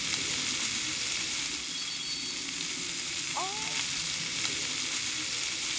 「ああ」